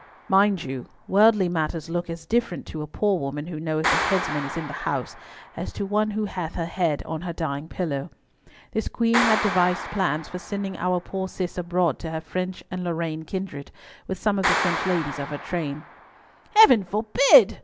Mind you, worldly matters look as different to a poor woman who knoweth the headsman is in the house, as to one who hath her head on her dying pillow. This Queen had devised plans for sending our poor Cis abroad to her French and Lorraine kindred, with some of the French ladies of her train." "Heaven forbid!"